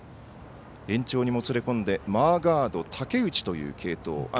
延長にもつれ込んでマーガード武内という継投。